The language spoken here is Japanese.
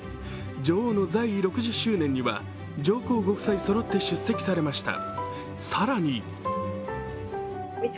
女王の在位６０周年には上皇ご夫妻そろって出席されました。